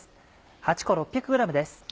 ８個６００ｇです。